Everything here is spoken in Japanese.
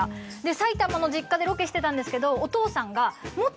埼玉の実家でロケしてたんですけど。